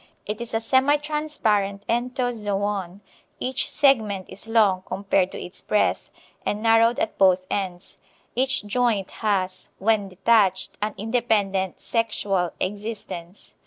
It is a semi transparent entozoon; each segment is long compared to its breadth, and narrowed at both ends. Each joint has, when detached, an independent sexual existence.